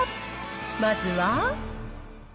まずは。